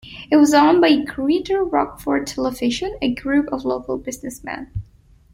It was owned by Greater Rockford Television, a group of local businessmen.